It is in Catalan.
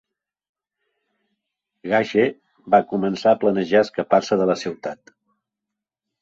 Gage va començar a planejar escapar-se de la ciutat.